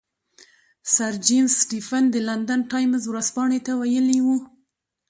سر جیمز سټیفن د لندن ټایمز ورځپاڼې ته ویلي وو.